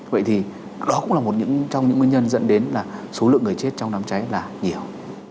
vậy thì đó cũng là một trong những nguyên nhân dẫn đến là số lượng người chết trong đám cháy là nhiều